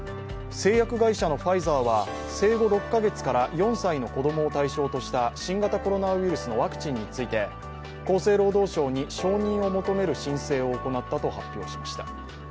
製薬会社のファイザーは生後６カ月から４歳の子供を対象とした新型コロナウイルスのワクチンについて厚生労働省に承認を求める申請を行ったと発表しました。